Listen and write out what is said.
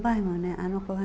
あの子がね